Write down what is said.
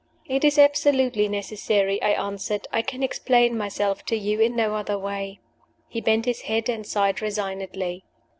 "It is absolutely necessary," I answered. "I can explain myself to you in no other way." He bent his head, and sighed resignedly.